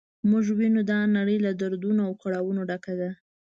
موږ وینو دا نړۍ له دردونو او کړاوونو ډکه ده.